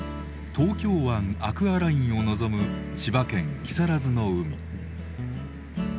東京湾アクアラインを望む千葉県木更津の海。